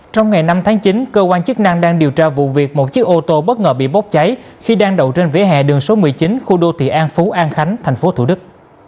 trong ngày năm tháng chín cơ quan chức năng đang điều tra vụ việc một chiếc ô tô bất ngờ bị bốc cháy khi đang đậu trên vỉa hè đường số một mươi chín khu đô thị an phú an khánh thành phố thủ đức